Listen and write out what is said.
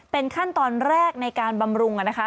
เป็นขั้นตอนแรกในการบำรุงนะคะ